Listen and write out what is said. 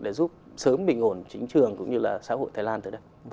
để giúp sớm bình ổn chính trường cũng như là xã hội thái lan tới đây